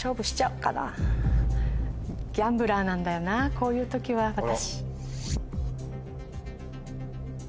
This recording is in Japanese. こういう時は私。